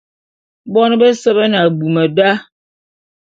Bon bese be ne abum da.